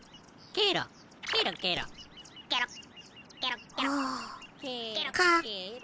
ケロッケロケロッ。